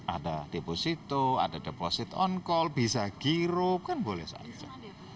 ada deposito ada deposit on call bisa giro kan boleh saja